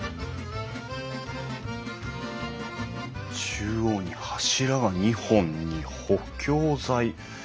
中央に柱が２本に補強材。